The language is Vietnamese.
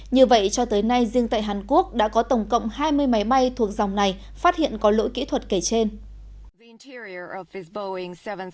như vậy cho tới nay riêng tại hàn quốc đã có tổng cộng hai mươi máy bay thuộc dòng này phát hiện có lỗi kỹ thuật kể trên